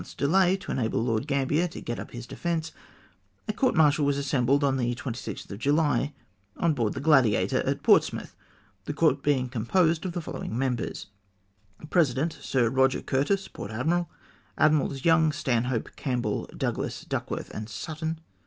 ^' delay to enable Lord Gambler to get up his defence, a court martial was assembled on the 26tli of July, on board the Gladiator, at Portsmouth, the court being composed of the following members :— President — Sir Eoger Curtis, Port Admiral. Admirals — Young, Stanhope, Campbell, Douglas, Duckworth, and Sutton.